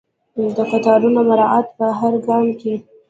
د قطارونو مراعات په هر ګام کې.